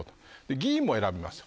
議員も選びますよ。